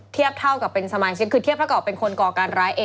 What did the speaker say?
เทียบเท่ากับเป็นสมาชิกคือเทียบเท่ากับเป็นคนก่อการร้ายเอง